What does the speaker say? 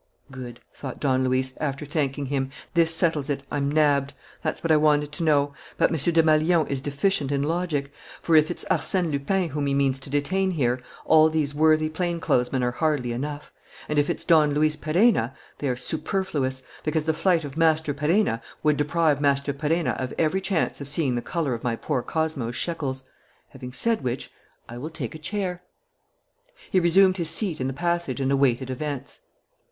"Good," thought Don Luis, after thanking him. "This settles it. I'm nabbed. That's what I wanted to know. But M. Desmalions is deficient in logic. For, if it's Arsène Lupin whom he means to detain here, all these worthy plain clothesmen are hardly enough; and, if it's Don Luis Perenna, they are superfluous, because the flight of Master Perenna would deprive Master Perenna of every chance of seeing the colour of my poor Cosmo's shekels. Having said which, I will take a chair." He resumed his seat in the passage and awaited events.